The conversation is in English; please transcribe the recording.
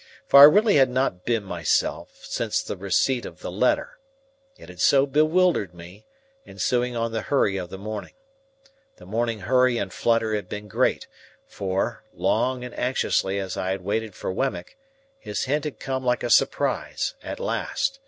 For I really had not been myself since the receipt of the letter; it had so bewildered me, ensuing on the hurry of the morning. The morning hurry and flutter had been great; for, long and anxiously as I had waited for Wemmick, his hint had come like a surprise at last.